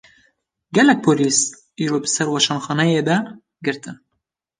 Gelek polîs, îro bi ser weşanxaneyê de girtin